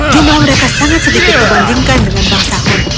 dina mereka sangat sedikit berbandingkan dengan bang sahun